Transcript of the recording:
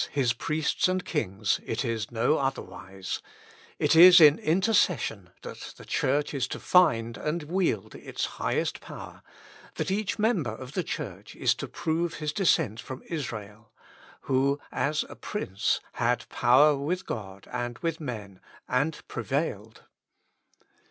His priests and kings, it is no otherwise ; it is in inter cession that the Church is to find and wield its highest power, that each member of the Church is to prove his descent from Israel, who as a prince had power with God and with men, and prevailed.